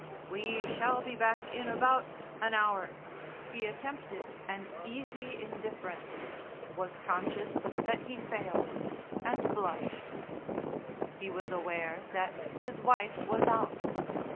"We shall be back in about an hour." He attempted an easy indifference, was conscious that he failed, and blushed. He was aware that his wife was out.